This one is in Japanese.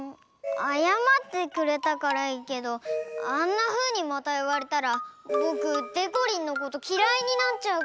あやまってくれたからいいけどあんなふうにまたいわれたらボクでこりんのこときらいになっちゃうかも。